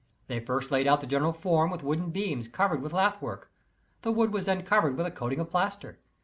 They first laid out the general form with wooden beams covered with lath work. The wood was then covered with a coating of plaster.